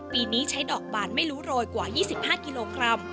ปีนี้ใช้ดอกบานไม่รู้โรยกว่า๒๕กิโลกรัม